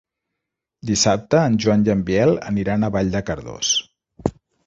Dissabte en Joan i en Biel aniran a Vall de Cardós.